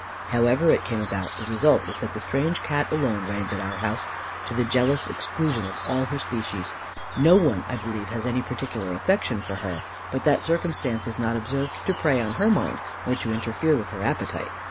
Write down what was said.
"However it came about, the result is that the strange Cat alone reigns at our house, to the jealous exclusion of all her species. No one, I believe, has any particular affection for her, but that circumstance is not observed to prey on her mind or to interfere with her appetite.